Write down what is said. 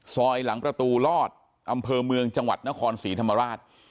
หลังประตูลอดอำเภอเมืองจังหวัดนครศรีธรรมราช